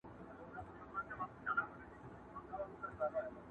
که به دوی هم مهربان هغه زمان سي٫